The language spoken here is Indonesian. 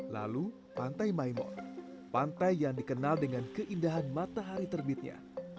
lalu pantai maimon pantai yang dikenal dengan keindahan matahari terbitnya